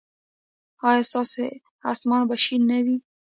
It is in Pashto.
ایا ستاسو اسمان به شین نه وي؟